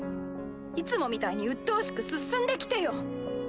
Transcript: いつもみたいにうっとうしく進んできてよ。